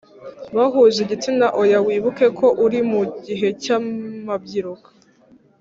Bahuje igitsina oya wibuke ko uri mu gihe cy amabyiruka